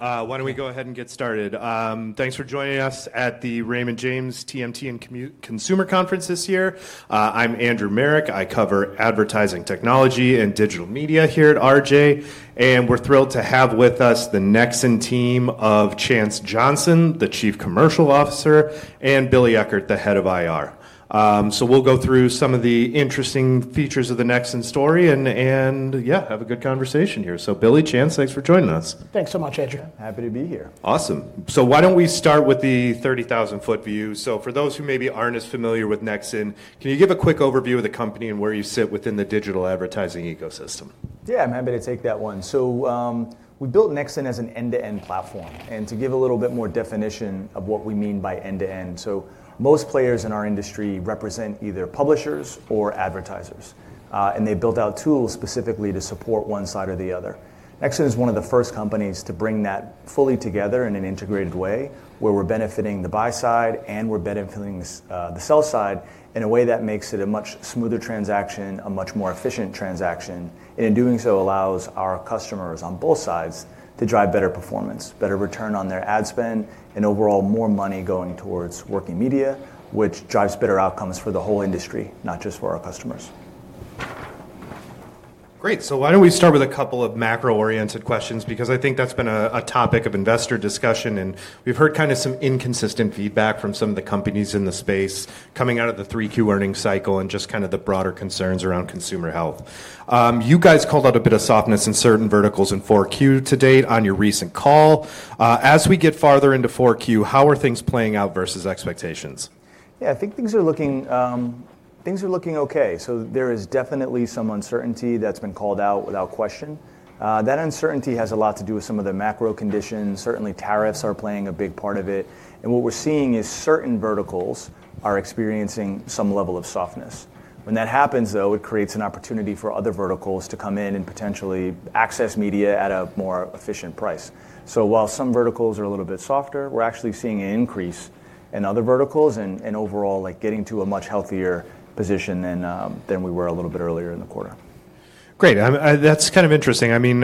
All right, why don't we go ahead and get started. Thanks for joining us at the Raymond James TMT and Consumer Conference this year. I'm Andrew Marok. I cover advertising technology and digital media here at RJ, and we're thrilled to have with us the Nexxen team of Chance Johnson, the Chief Commercial Officer, and Billy Eckert, the Head of IR. So we'll go through some of the interesting features of the Nexxen story and, yeah, have a good conversation here. So Billy, Chance, thanks for joining us. Thanks so much, Andrew. Happy to be here. Awesome. So why don't we start with the 30,000-foot view? So for those who maybe aren't as familiar with Nexxen, can you give a quick overview of the company and where you sit within the digital advertising ecosystem? Yeah, I'm happy to take that one. So we built Nexxen as an end-to-end platform. To give a little bit more definition of what we mean by end-to-end, so most players in our industry represent either publishers or advertisers, and they build out tools specifically to support one side or the other. Nexxen is one of the first companies to bring that fully together in an integrated way, where we're benefiting the buy side and we're benefiting the sell side in a way that makes it a much smoother transaction, a much more efficient transaction, and in doing so allows our customers on both sides to drive better performance, better return on their ad spend, and overall more money going towards working media, which drives better outcomes for the whole industry, not just for our customers. Great. So why don't we start with a couple of macro-oriented questions? Because I think that's been a topic of investor discussion, and we've heard kind of some inconsistent feedback from some of the companies in the space coming out of the 3Q earnings cycle and just kind of the broader concerns around consumer health. You guys called out a bit of softness in certain verticals in 4Q to date on your recent call. As we get farther into 4Q, how are things playing out versus expectations? Yeah, I think things are looking okay. So there is definitely some uncertainty that's been called out without question. That uncertainty has a lot to do with some of the macro conditions. Certainly, tariffs are playing a big part of it. What we're seeing is certain verticals are experiencing some level of softness. When that happens, though, it creates an opportunity for other verticals to come in and potentially access media at a more efficient price. So while some verticals are a little bit softer, we're actually seeing an increase in other verticals and overall getting to a much healthier position than we were a little bit earlier in the quarter. Great. That's kind of interesting. I mean,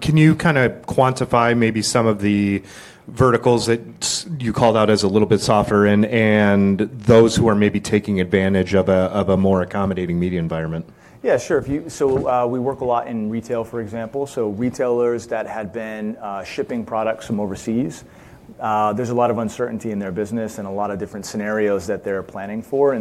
can you kind of quantify maybe some of the verticals that you called out as a little bit softer and those who are maybe taking advantage of a more accommodating media environment? Yeah, sure. So we work a lot in retail, for example. So retailers that had been shipping products from overseas, there's a lot of uncertainty in their business and a lot of different scenarios that they're planning for.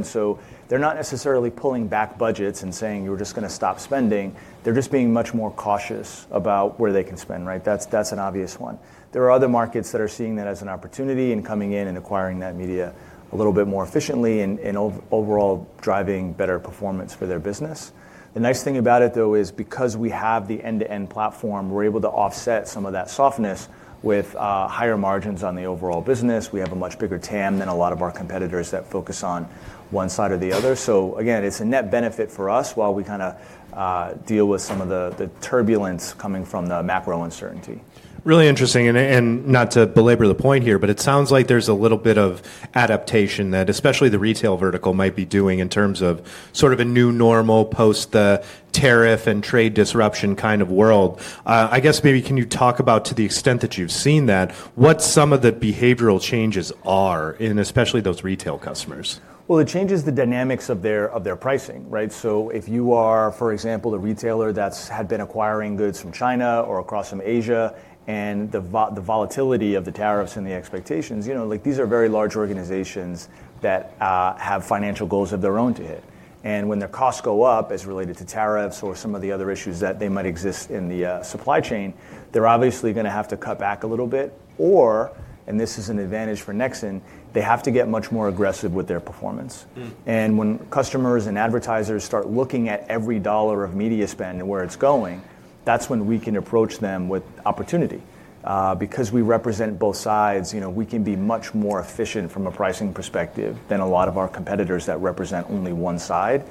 They're not necessarily pulling back budgets and saying, "You're just going to stop spending." They're just being much more cautious about where they can spend, right? That's an obvious one. There are other markets that are seeing that as an opportunity and coming in and acquiring that media a little bit more efficiently and overall driving better performance for their business. The nice thing about it, though, is because we have the end-to-end platform, we're able to offset some of that softness with higher margins on the overall business. We have a much bigger TAM than a lot of our competitors that focus on one side or the other. So again, it's a net benefit for us while we kind of deal with some of the turbulence coming from the macro uncertainty. Really interesting, and not to belabor the point here, but it sounds like there's a little bit of adaptation that especially the retail vertical might be doing in terms of sort of a new normal post-tariff and trade disruption kind of world. I guess maybe can you talk about to the extent that you've seen that, what some of the behavioral changes are, and especially those retail customers? It changes the dynamics of their pricing, right, so if you are, for example, a retailer that had been acquiring goods from China or across from Asia and the volatility of the tariffs and the expectations, these are very large organizations that have financial goals of their own to hit, and when their costs go up as related to tariffs or some of the other issues that they might exist in the supply chain, they're obviously going to have to cut back a little bit, or, and this is an advantage for Nexxen, they have to get much more aggressive with their performance, and when customers and advertisers start looking at every dollar of media spend and where it's going, that's when we can approach them with opportunity. Because we represent both sides, we can be much more efficient from a pricing perspective than a lot of our competitors that represent only one side.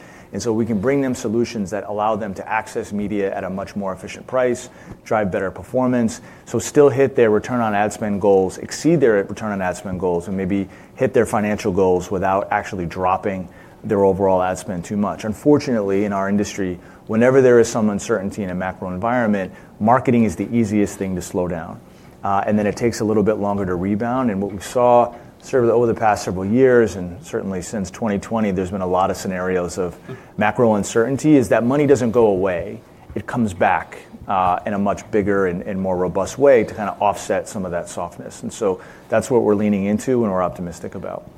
We can bring them solutions that allow them to access media at a much more efficient price, drive better performance, so still hit their return on ad spend goals, exceed their return on ad spend goals, and maybe hit their financial goals without actually dropping their overall ad spend too much. Unfortunately, in our industry, whenever there is some uncertainty in a macro environment, marketing is the easiest thing to slow down. Then it takes a little bit longer to rebound. What we saw over the past several years, and certainly since 2020, there's been a lot of scenarios of macro uncertainty, is that money doesn't go away. It comes back in a much bigger and more robust way to kind of offset some of that softness, and so that's what we're leaning into and we're optimistic about.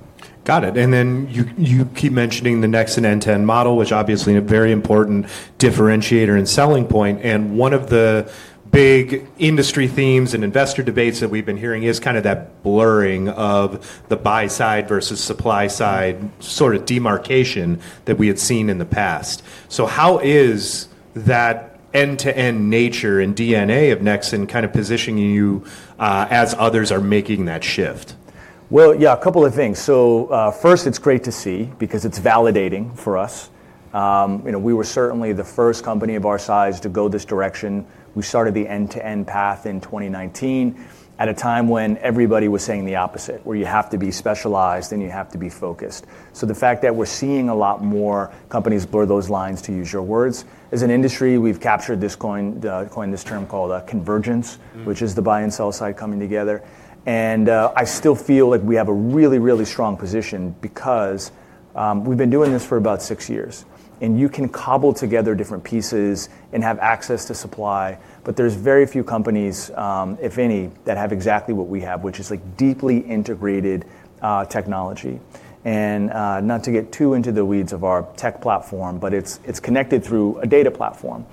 Got it. Then you keep mentioning the Nexxen end-to-end model, which obviously is a very important differentiator and selling point. One of the big industry themes and investor debates that we've been hearing is kind of that blurring of the buy side versus supply side sort of demarcation that we had seen in the past. So how is that end-to-end nature and DNA of Nexxen kind of positioning you as others are making that shift? Yeah, a couple of things. So first, it's great to see because it's validating for us. We were certainly the first company of our size to go this direction. We started the end-to-end path in 2019 at a time when everybody was saying the opposite, where you have to be specialized and you have to be focused. So the fact that we're seeing a lot more companies blur those lines, to use your words, as an industry, we've captured this term, called convergence, which is the buy and sell side coming together. I still feel like we have a really, really strong position because we've been doing this for about six years. You can cobble together different pieces and have access to supply, but there's very few companies, if any, that have exactly what we have, which is deeply integrated technology. Not to get too into the weeds of our tech platform, but it's connected through a data platform.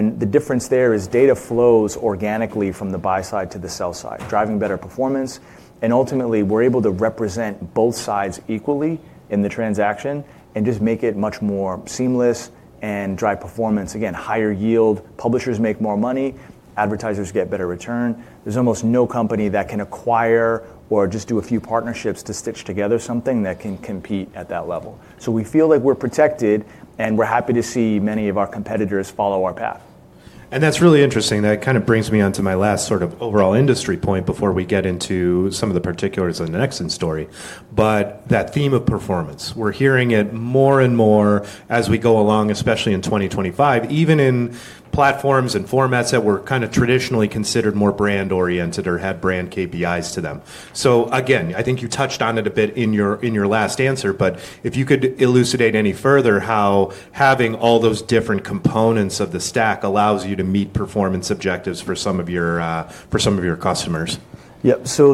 The difference there is data flows organically from the buy side to the sell side, driving better performance. Ultimately, we're able to represent both sides equally in the transaction and just make it much more seamless and drive performance. Again, higher yield, publishers make more money, advertisers get better return. There's almost no company that can acquire or just do a few partnerships to stitch together something that can compete at that level. We feel like we're protected and we're happy to see many of our competitors follow our path. That's really interesting. That kind of brings me on to my last sort of overall industry point before we get into some of the particulars in the Nexxen story. That theme of performance, we're hearing it more and more as we go along, especially in 2025, even in platforms and formats that were kind of traditionally considered more brand-oriented or had brand KPIs to them. Again, I think you touched on it a bit in your last answer, but if you could elucidate any further how having all those different components of the stack allows you to meet performance objectives for some of your customers. Yep. So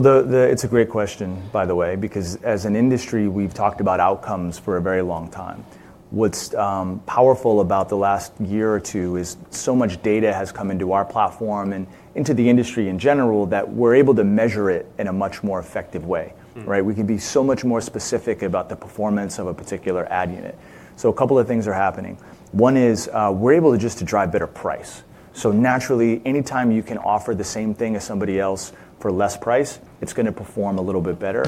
it's a great question, by the way, because as an industry, we've talked about outcomes for a very long time. What's powerful about the last year or two is so much data has come into our platform and into the industry in general that we're able to measure it in a much more effective way, right? We can be so much more specific about the performance of a particular ad unit. So a couple of things are happening. One is we're able to just drive better price. So naturally, anytime you can offer the same thing as somebody else for less price, it's going to perform a little bit better.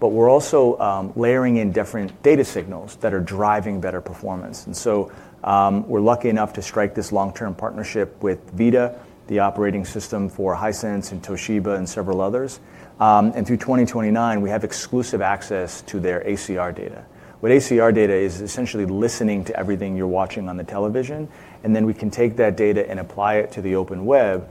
We're also layering in different data signals that are driving better performance. We're lucky enough to strike this long-term partnership with VIDAA, the operating system for Hisense and Toshiba and several others. And through 2029, we have exclusive access to their ACR data. What ACR data is essentially listening to everything you're watching on the television, and then we can take that data and apply it to the open web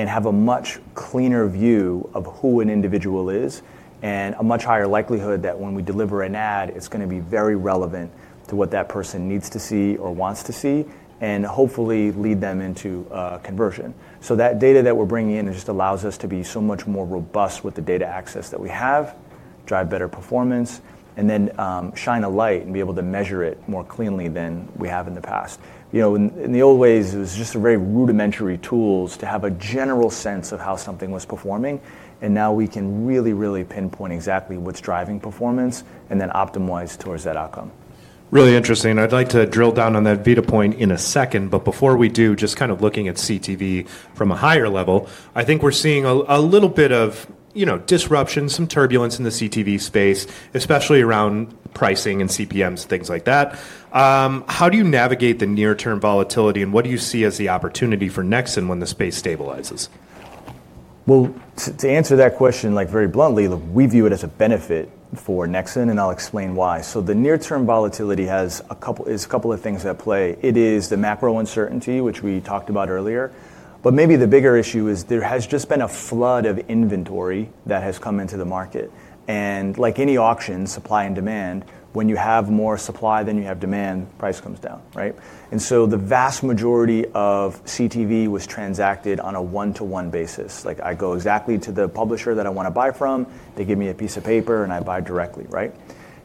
and have a much cleaner view of who an individual is and a much higher likelihood that when we deliver an ad, it's going to be very relevant to what that person needs to see or wants to see and hopefully lead them into conversion. So that data that we're bringing in just allows us to be so much more robust with the data access that we have, drive better performance, and then shine a light and be able to measure it more cleanly than we have in the past. In the old ways, it was just very rudimentary tools to have a general sense of how something was performing. Now we can really, really pinpoint exactly what's driving performance and then optimize towards that outcome. Really interesting. I'd like to drill down on that VIDAA point in a second, but before we do, just kind of looking at CTV from a higher level, I think we're seeing a little bit of disruption, some turbulence in the CTV space, especially around pricing and CPMs and things like that. How do you navigate the near-term volatility and what do you see as the opportunity for Nexxen when the space stabilizes? To answer that question very bluntly, we view it as a benefit for Nexxen, and I'll explain why. The near-term volatility has a couple of things at play. It is the macro uncertainty, which we talked about earlier. Maybe the bigger issue is there has just been a flood of inventory that has come into the market. Like any auction, supply and demand, when you have more supply than you have demand, price comes down, right? The vast majority of CTV was transacted on a one-to-one basis. I go exactly to the publisher that I want to buy from, they give me a piece of paper, and I buy directly, right?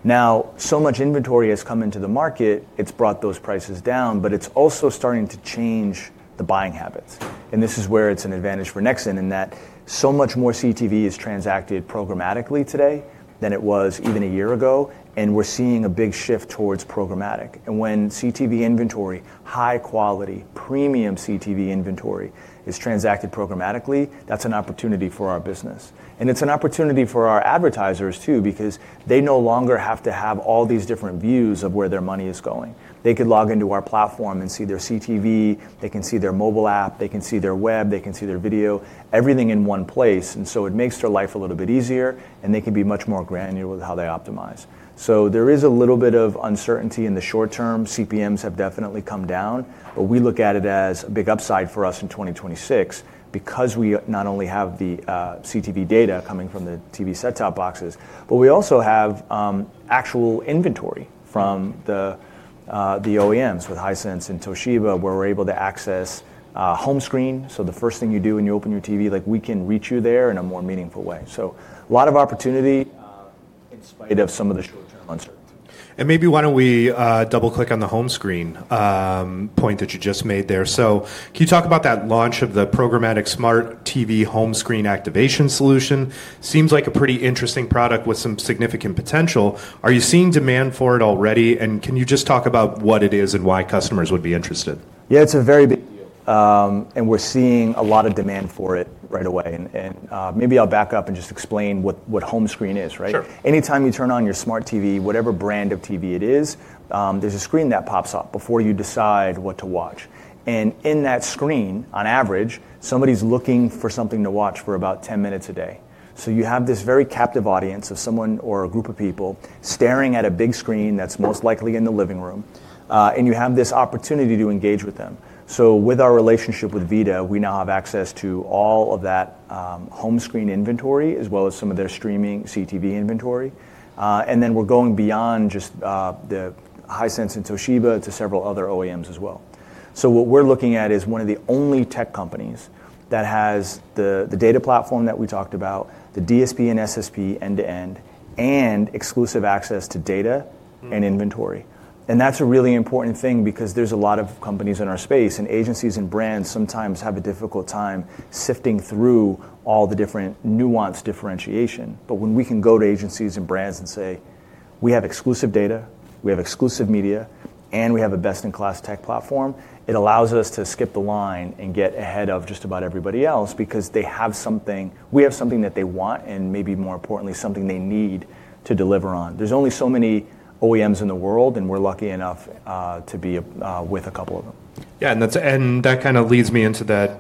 Now, so much inventory has come into the market, it's brought those prices down, but it's also starting to change the buying habits. This is where it's an advantage for Nexxen in that so much more CTV is transacted programmatically today than it was even a year ago, and we're seeing a big shift towards programmatic. When CTV inventory, high-quality, premium CTV inventory is transacted programmatically, that's an opportunity for our business. It's an opportunity for our advertisers too because they no longer have to have all these different views of where their money is going. They could log into our platform and see their CTV, they can see their mobile app, they can see their web, they can see their video, everything in one place. It makes their life a little bit easier, and they can be much more granular with how they optimize. There is a little bit of uncertainty in the short term. CPMs have definitely come down, but we look at it as a big upside for us in 2026 because we not only have the CTV data coming from the TV set-top boxes, but we also have actual inventory from the OEMs with Hisense and Toshiba where we're able to access home screen. So the first thing you do when you open your TV, we can reach you there in a more meaningful way. So a lot of opportunity in spite of some of the short-term uncertainty. Maybe why don't we double-click on the home screen point that you just made there. So can you talk about that launch of the programmatic smart TV home screen activation solution? Seems like a pretty interesting product with some significant potential. Are you seeing demand for it already? Can you just talk about what it is and why customers would be interested? Yeah, it's a very big deal. We're seeing a lot of demand for it right away. Maybe I'll back up and just explain what home screen is, right? Sure. Anytime you turn on your smart TV, whatever brand of TV it is, there's a screen that pops up before you decide what to watch. In that screen, on average, somebody's looking for something to watch for about 10 minutes a day. So you have this very captive audience of someone or a group of people staring at a big screen that's most likely in the living room, and you have this opportunity to engage with them. So with our relationship with VIDAA, we now have access to all of that home screen inventory as well as some of their streaming CTV inventory. Then we're going beyond just the Hisense and Toshiba to several other OEMs as well. What we're looking at is one of the only tech companies that has the data platform that we talked about, the DSP and SSP end-to-end, and exclusive access to data and inventory. That's a really important thing because there's a lot of companies in our space and agencies and brands sometimes have a difficult time sifting through all the different nuanced differentiation. When we can go to agencies and brands and say, "We have exclusive data, we have exclusive media, and we have a best-in-class tech platform," it allows us to skip the line and get ahead of just about everybody else because they have something, we have something that they want and maybe more importantly, something they need to deliver on. There's only so many OEMs in the world, and we're lucky enough to be with a couple of them. Yeah. That kind of leads me into that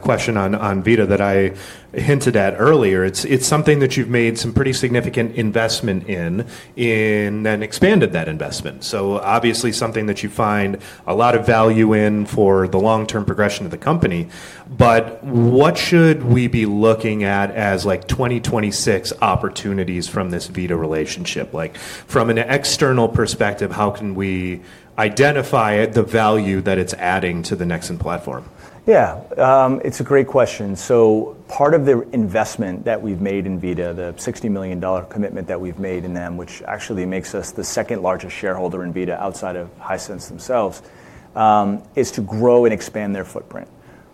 question on VIDAA that I hinted at earlier. It's something that you've made some pretty significant investment in and then expanded that investment. So obviously something that you find a lot of value in for the long-term progression of the company. What should we be looking at as 2026 opportunities from this VIDAA relationship? From an external perspective, how can we identify the value that it's adding to the Nexxen platform? Yeah. It's a great question. So part of the investment that we've made in VIDAA, the $60 million commitment that we've made in them, which actually makes us the second largest shareholder in VIDAA outside of Hisense themselves, is to grow and expand their footprint.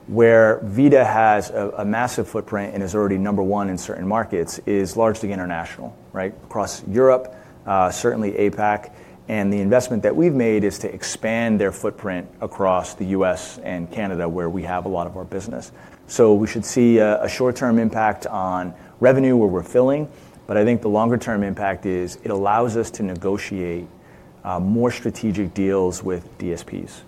Where VIDAA has a massive footprint and is already number one in certain markets is largely international, right? Across Europe, certainly APAC. The investment that we've made is to expand their footprint across the US and Canada where we have a lot of our business. So we should see a short-term impact on revenue where we're filling. I think the longer-term impact is it allows us to negotiate more strategic deals with DSPs,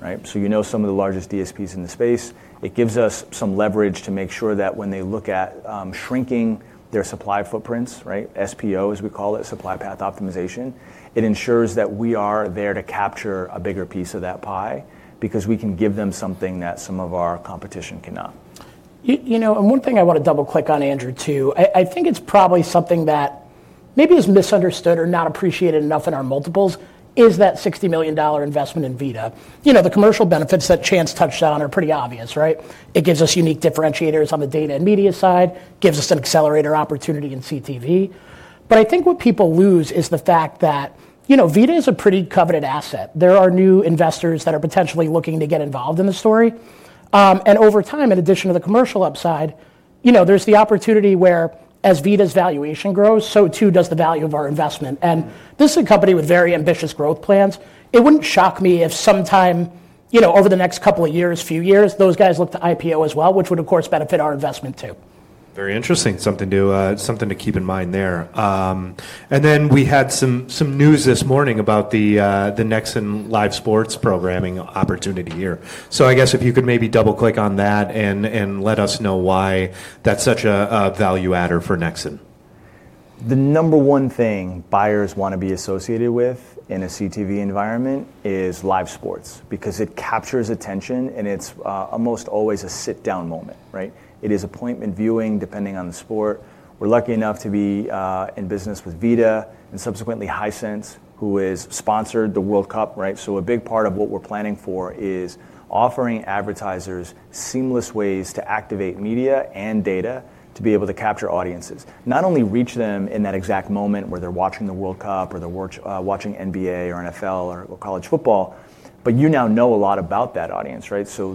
right? So you know some of the largest DSPs in the space. It gives us some leverage to make sure that when they look at shrinking their supply footprints, right? SPO, as we call it, supply path optimization. It ensures that we are there to capture a bigger piece of that pie because we can give them something that some of our competition cannot. You know, and one thing I want to double-click on, Andrew, too, I think it's probably something that maybe is misunderstood or not appreciated enough in our multiples is that $60 million investment in VIDAA. The commercial benefits that Chance touched on are pretty obvious, right? It gives us unique differentiators on the data and media side, gives us an accelerator opportunity in CTV. I think what people lose is the fact that VIDAA is a pretty coveted asset. There are new investors that are potentially looking to get involved in the story. Over time, in addition to the commercial upside, there's the opportunity where as VIDAA's valuation grows, so too does the value of our investment. This is a company with very ambitious growth plans. It wouldn't shock me if sometime over the next couple of years, few years, those guys look to IPO as well, which would, of course, benefit our investment too. Very interesting. Something to keep in mind there. Then we had some news this morning about the Nexxen live sports programming opportunity here. So I guess if you could maybe double-click on that and let us know why that's such a value-add for Nexxen? The number one thing buyers want to be associated with in a CTV environment is live sports because it captures attention and it's almost always a sit-down moment, right? It is appointment viewing depending on the sport. We're lucky enough to be in business with VIDAA and subsequently Hisense, who has sponsored the World Cup, right? So a big part of what we're planning for is offering advertisers seamless ways to activate media and data to be able to capture audiences, not only reach them in that exact moment where they're watching the World Cup or they're watching NBA or NFL or college football, but you now know a lot about that audience, right? So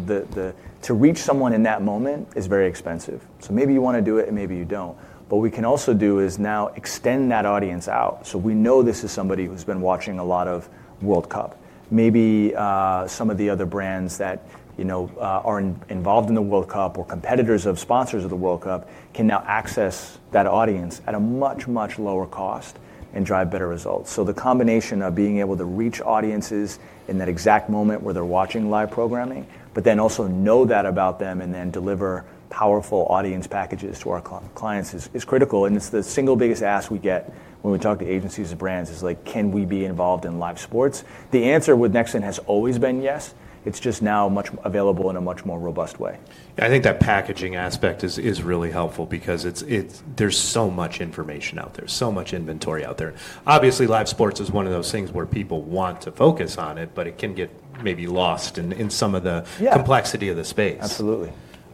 to reach someone in that moment is very expensive. So maybe you want to do it and maybe you don't. What we can also do is now extend that audience out. So we know this is somebody who's been watching a lot of World Cup. Maybe some of the other brands that are involved in the World Cup or competitors of sponsors of the World Cup can now access that audience at a much, much lower cost and drive better results. So the combination of being able to reach audiences in that exact moment where they're watching live programming, but then also know that about them and then deliver powerful audience packages to our clients is critical. It's the single biggest ask we get when we talk to agencies and brands is like, can we be involved in live sports? The answer with Nexxen has always been yes. It's just now much available in a much more robust way. I think that packaging aspect is really helpful because there's so much information out there, so much inventory out there. Obviously, live sports is one of those things where people want to focus on it, but it can get maybe lost in some of the complexity of the space.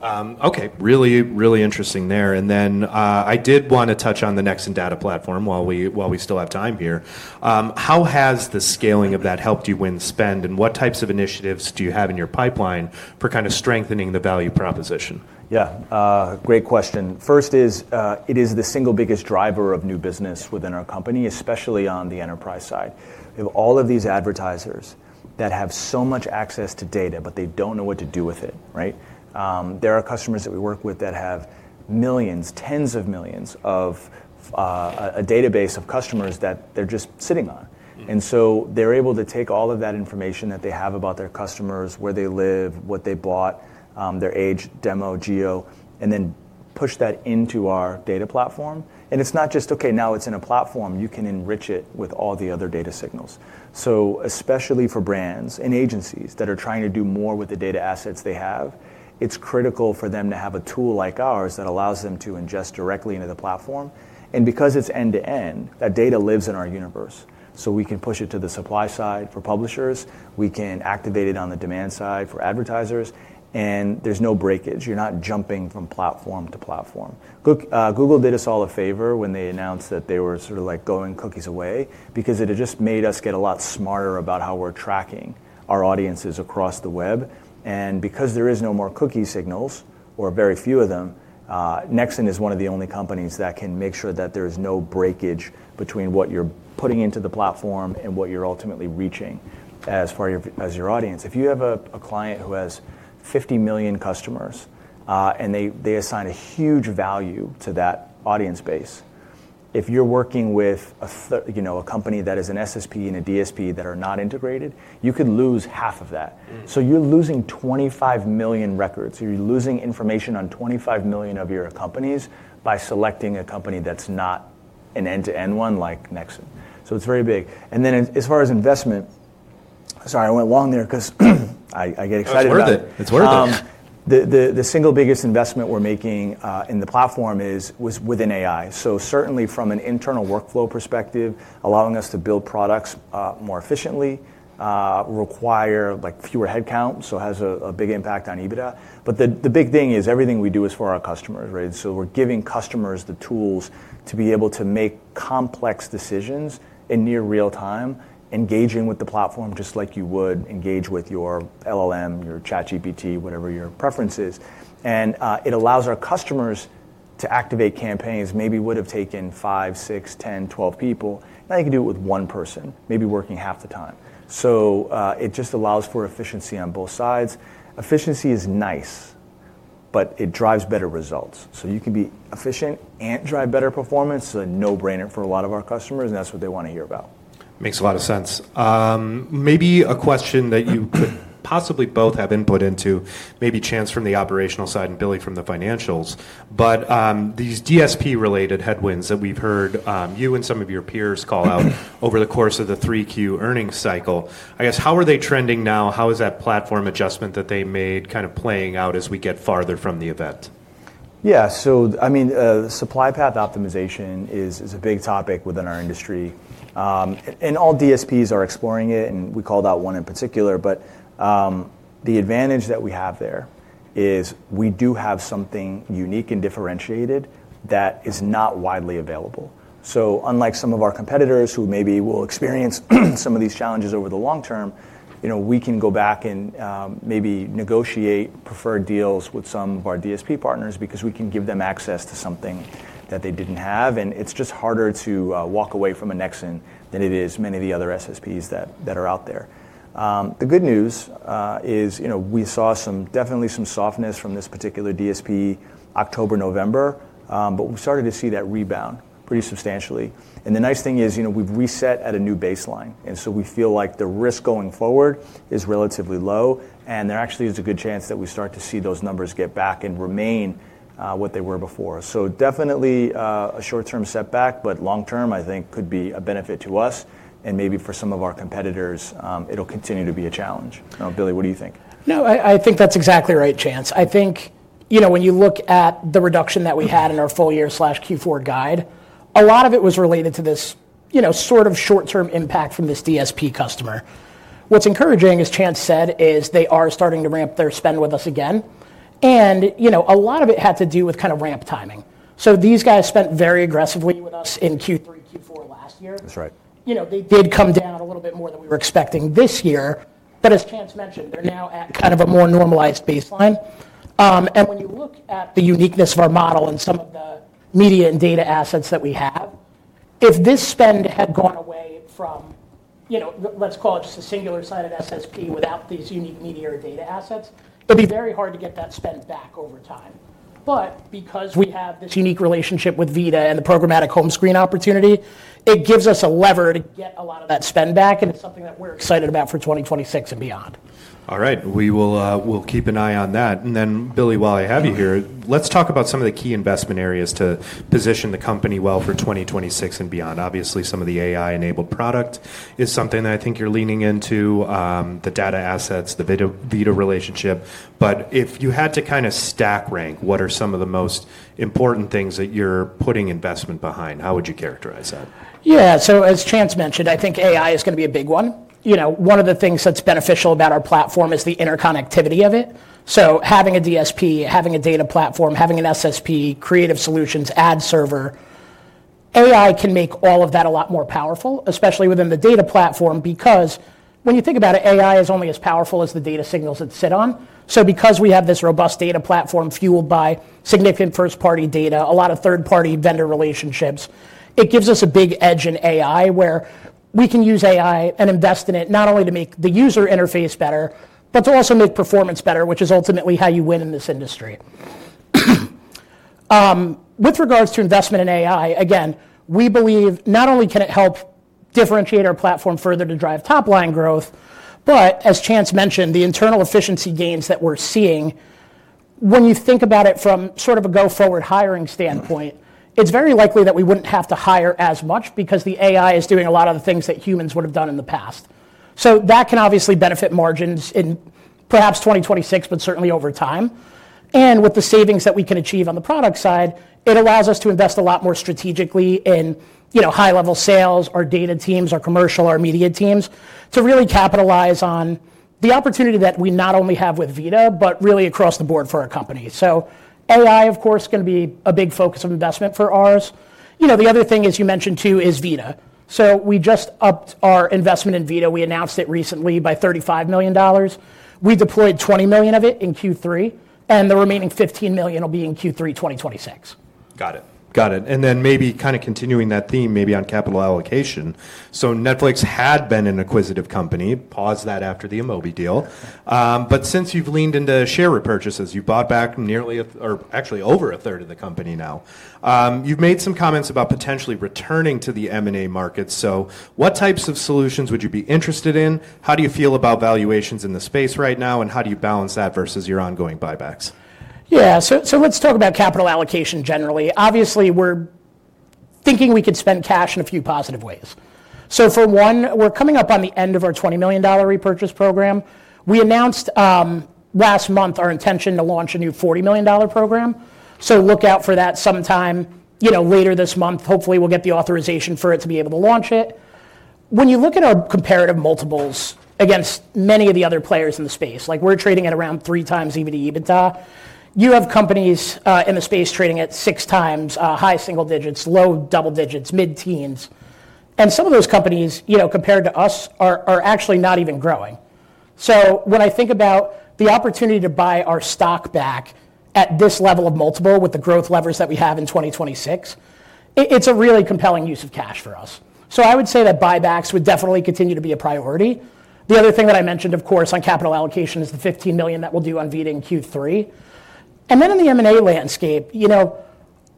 Absolutely. Okay. Really, really interesting there, and then I did want to touch on the Nexxen Data Platform while we still have time here. How has the scaling of that helped you win spend, and what types of initiatives do you have in your pipeline for kind of strengthening the value proposition? Yeah. Great question. First, it is the single biggest driver of new business within our company, especially on the enterprise side. We have all of these advertisers that have so much access to data, but they don't know what to do with it, right? There are customers that we work with that have millions, tens of millions of a database of customers that they're just sitting on. They're able to take all of that information that they have about their customers, where they live, what they bought, their age, demo, geo, and then push that into our data platform. It's not just, okay, now it's in a platform, you can enrich it with all the other data signals. So especially for brands and agencies that are trying to do more with the data assets they have, it's critical for them to have a tool like ours that allows them to ingest directly into the platform. Because it's end-to-end, that data lives in our universe. So we can push it to the supply side for publishers, we can activate it on the demand side for advertisers, and there's no breakage. You're not jumping from platform to platform. Google did us all a favor when they announced that they were sort of like going cookies away because it had just made us get a lot smarter about how we're tracking our audiences across the web. Because there are no more cookie signals or very few of them, Nexxen is one of the only companies that can make sure that there is no breakage between what you're putting into the platform and what you're ultimately reaching as far as your audience. If you have a client who has 50 million customers and they assign a huge value to that audience base, if you're working with a company that is an SSP and a DSP that are not integrated, you could lose half of that. You're losing 25 million records. You're losing information on 25 million of your companies by selecting a company that's not an end-to-end one like Nexxen. It's very big. Then as far as investment, sorry, I went long there because I get excited about it. It's worth it. The single biggest investment we're making in the platform was within AI, so certainly from an internal workflow perspective, allowing us to build products more efficiently requires fewer headcounts, so it has a big impact on EBITDA, but the big thing is everything we do is for our customers, right, so we're giving customers the tools to be able to make complex decisions in near real time, engaging with the platform just like you would engage with your LLM, your ChatGPT, whatever your preference is, and it allows our customers to activate campaigns maybe would have taken five, six, 10, 12 people. Now you can do it with one person, maybe working half the time, so it just allows for efficiency on both sides. Efficiency is nice, but it drives better results, so you can be efficient and drive better performance. So a no-brainer for a lot of our customers, and that's what they want to hear about. Makes a lot of sense. Maybe a question that you could possibly both have input into, maybe Chance from the operational side and Billy from the financials, but these DSP-related headwinds that we've heard you and some of your peers call out over the course of the 3Q earnings cycle, I guess, how are they trending now? How is that platform adjustment that they made kind of playing out as we get farther from the event? Yeah. So I mean, supply path optimization is a big topic within our industry. All DSPs are exploring it, and we call that one in particular. The advantage that we have there is we do have something unique and differentiated that is not widely available. So unlike some of our competitors who maybe will experience some of these challenges over the long term, we can go back and maybe negotiate preferred deals with some of our DSP partners because we can give them access to something that they didn't have. It's just harder to walk away from a Nexxen than it is many of the other SSPs that are out there. The good news is we saw definitely some softness from this particular DSP October, November, but we've started to see that rebound pretty substantially. The nice thing is we've reset at a new baseline. We feel like the risk going forward is relatively low, and there actually is a good chance that we start to see those numbers get back and remain what they were before. So definitely a short-term setback, but long-term, I think could be a benefit to us and maybe for some of our competitors, it'll continue to be a challenge. Billy, what do you think? No, I think that's exactly right, Chance. I think when you look at the reduction that we had in our Full Year Q4 guide, a lot of it was related to this sort of short-term impact from this DSP customer. What's encouraging, as Chance said, is they are starting to ramp their spend with us again, and a lot of it had to do with kind of ramp timing, so these guys spent very aggressively with us in Q3, Q4 last year. That's right. They did come down a little bit more than we were expecting this year, but as Chance mentioned, they're now at kind of a more normalized baseline. When you look at the uniqueness of our model and some of the media and data assets that we have, if this spend had gone away from, let's call it just a singular side of SSP without these unique media or data assets, it'd be very hard to get that spend back over time. Because we have this unique relationship with VIDAA and the programmatic home screen opportunity, it gives us a lever to get a lot of that spend back, and it's something that we're excited about for 2026 and beyond. All right. We will keep an eye on that. Then, Billy, while I have you here, let's talk about some of the key investment areas to position the company well for 2026 and beyond. Obviously, some of the AI-enabled product is something that I think you're leaning into, the data assets, the VIDAA relationship. If you had to kind of stack rank, what are some of the most important things that you're putting investment behind? How would you characterize that? Yeah. So as Chance mentioned, I think AI is going to be a big one. One of the things that's beneficial about our platform is the interconnectivity of it. So having a DSP, having a data platform, having an SSP, creative solutions, ad server, AI can make all of that a lot more powerful, especially within the data platform because when you think about it, AI is only as powerful as the data signals it sits on. So because we have this robust data platform fueled by significant first-party data, a lot of third-party vendor relationships, it gives us a big edge in AI where we can use AI and invest in it not only to make the user interface better, but to also make performance better, which is ultimately how you win in this industry. With regards to investment in AI, again, we believe not only can it help differentiate our platform further to drive top-line growth, but as Chance mentioned, the internal efficiency gains that we're seeing, when you think about it from sort of a go-forward hiring standpoint, it's very likely that we wouldn't have to hire as much because the AI is doing a lot of the things that humans would have done in the past. So that can obviously benefit margins in perhaps 2026, but certainly over time. With the savings that we can achieve on the product side, it allows us to invest a lot more strategically in high-level sales, our data teams, our commercial, our media teams to really capitalize on the opportunity that we not only have with VIDAA, but really across the board for our company. AI, of course, is going to be a big focus of investment for ours. The other thing, as you mentioned too, is VIDAA. We just upped our investment in VIDAA. We announced it recently by $35 million. We deployed $20 million of it in Q3, and the remaining $15 million will be in Q3 2026. Got it. Got it. Then maybe kind of continuing that theme, maybe on capital allocation. So Nexxen had been an acquisitive company. Paused that after the Amobee deal. Since you've leaned into share repurchases, you bought back nearly or actually over a third of the company now. You've made some comments about potentially returning to the M&A market. So what types of solutions would you be interested in? How do you feel about valuations in the space right now, and how do you balance that versus your ongoing buybacks? Yeah. So let's talk about capital allocation generally. Obviously, we're thinking we could spend cash in a few positive ways. So for one, we're coming up on the end of our $20 million repurchase program. We announced last month our intention to launch a new $40 million program. So look out for that sometime later this month. Hopefully, we'll get the authorization for it to be able to launch it. When you look at our comparative multiples against many of the other players in the space, like we're trading at around three times EBITDA. You have companies in the space trading at six times, high single digits, low double digits, mid-teens. Some of those companies, compared to us, are actually not even growing. So when I think about the opportunity to buy our stock back at this level of multiple with the growth levers that we have in 2026, it's a really compelling use of cash for us. So I would say that buybacks would definitely continue to be a priority. The other thing that I mentioned, of course, on capital allocation is the $15 million that we'll do on VIDAA in Q3. Then in the M&A landscape,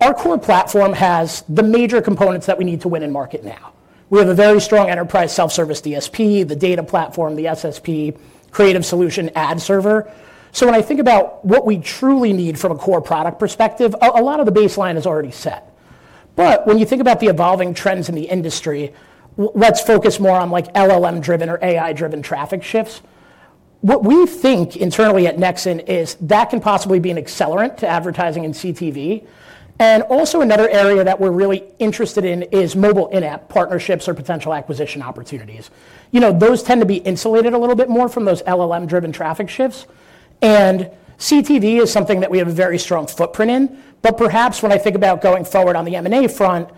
our core platform has the major components that we need to win in market now. We have a very strong enterprise self-service DSP, the data platform, the SSP, creative solution, ad server. So when I think about what we truly need from a core product perspective, a lot of the baseline is already set. When you think about the evolving trends in the industry, let's focus more on LLM-driven or AI-driven traffic shifts. What we think internally at Nexxen is that can possibly be an accelerant to advertising and CTV. Also another area that we're really interested in is mobile in-app partnerships or potential acquisition opportunities. Those tend to be insulated a little bit more from those LLM-driven traffic shifts. CTV is something that we have a very strong footprint in. Perhaps when I think about going forward on the M&A front,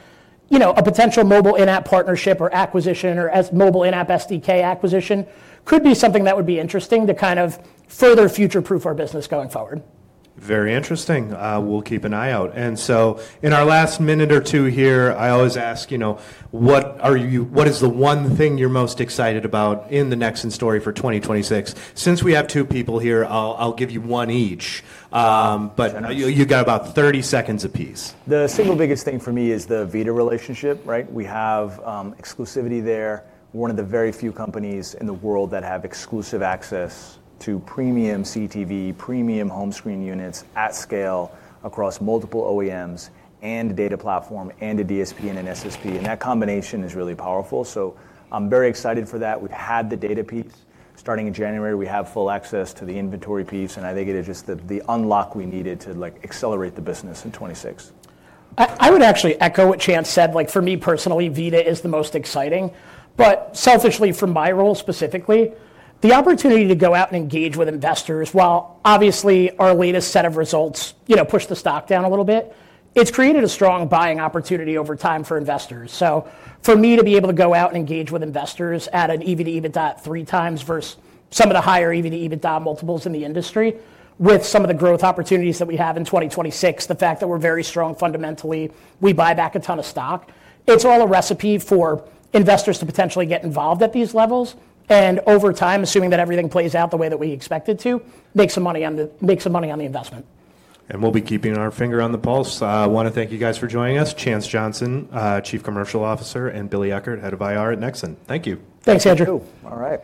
a potential mobile in-app partnership or acquisition or mobile in-app SDK acquisition could be something that would be interesting to kind of further future-proof our business going forward. Very interesting. We'll keep an eye out, and so in our last minute or two here, I always ask, what is the one thing you're most excited about in the Nexxen story for 2026? Since we have two people here, I'll give you one each, but you've got about 30 seconds apiece. The single biggest thing for me is the VIDAA relationship, right? We have exclusivity there. We're one of the very few companies in the world that have exclusive access to premium CTV, premium home screen units at scale across multiple OEMs and data platform and a DSP and an SSP. That combination is really powerful. So I'm very excited for that. We've had the data piece. Starting in January, we have full access to the inventory piece. I think it is just the unlock we needed to accelerate the business in 2026. I would actually echo what Chance said. For me personally, VIDAA is the most exciting. Selfishly, for my role specifically, the opportunity to go out and engage with investors, while obviously our latest set of results pushed the stock down a little bit, it's created a strong buying opportunity over time for investors. So for me to be able to go out and engage with investors at an EV/EBITDA at three times versus some of the higher EV/EBITDA multiples in the industry with some of the growth opportunities that we have in 2026, the fact that we're very strong fundamentally, we buy back a ton of stock, it's all a recipe for investors to potentially get involved at these levels. Over time, assuming that everything plays out the way that we expect it to, make some money on the investment. We'll be keeping our finger on the pulse. I want to thank you guys for joining us, Chance Johnson, Chief Commercial Officer, and Billy Eckert, Head of IR at Nexxen. Thank you. Thanks, Andrew. All right.